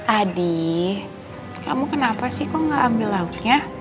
adi kamu kenapa sih kok gak ambil lauknya